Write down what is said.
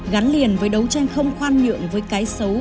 gắn liền với đấu tranh không khoan nhượng với cái xấu